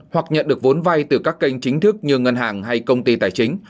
hoặc nhận được vốn vay từ các kênh chính thức như ngân hàng hay công ty tài chính